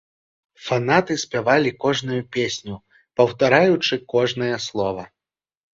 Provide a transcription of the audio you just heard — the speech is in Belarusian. Фанаты спявалі кожную песню, паўтараючы кожнае слова.